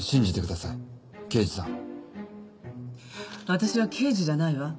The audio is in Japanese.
私は刑事じゃないわ。